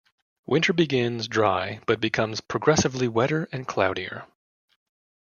Winter begins dry but becomes progressively wetter and cloudier.